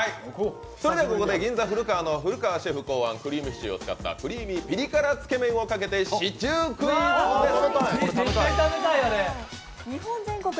銀座古川の古川シェフ考案、クリームシチューを使ったクリーミーピリ辛つけ麺をかけたクイズです。